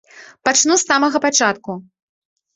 Пачну з самага пачатку.